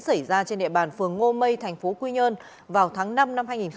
xảy ra trên địa bàn phường ngô mây thành phố quy nhơn vào tháng năm năm hai nghìn hai mươi ba